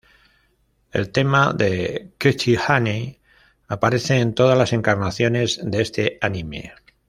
El tema de Cutie Honey aparece en todas las encarnaciones de este anime.